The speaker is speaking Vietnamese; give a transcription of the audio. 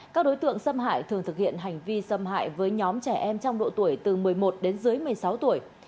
các đối tượng xâm hại thường thực hiện hành vi xâm hại với nhóm trẻ em trong độ tuổi từ một mươi một đến dưới một mươi sáu tuổi